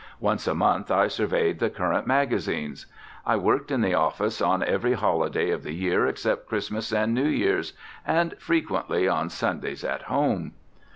Once a month I surveyed the current magazines. I worked in the office on every holiday of the year except Christmas and New Year's, and frequently on Sundays at home.